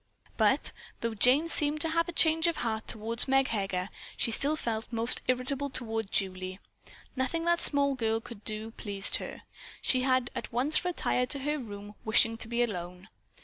But, though Jane had seemed to have a change of heart toward Meg Heger, she still felt most irritable toward Julie. Nothing that small girl could do pleased her. She had at once retired to her room, wishing to be alone.